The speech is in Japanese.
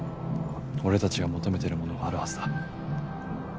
俺たちが求めてるものがあるはずだ。